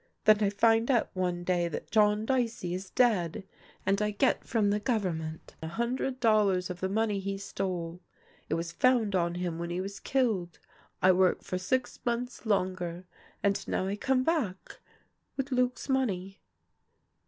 Then I find out one day that John Dicey is dead, THE LITTLE BELL OF HONOUR 123 and I get from the government a hundred dollars of the money he stole. It was found on him when he was killed. I work for six months longer, and now I come back — with Luc's money."